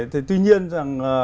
thì tuy nhiên rằng